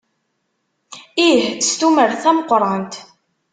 Ih, s tumert tameqqrant.